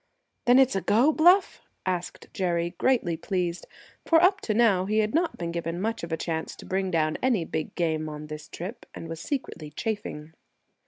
"Then it's a go, Bluff?" cried Jerry, greatly pleased, for up to now he had not been given much of a chance to bring down any big game on this trip, and was secretly chafing.